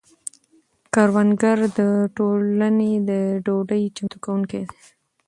کروندګر د ټولنې د ډوډۍ چمتو کونکي دي.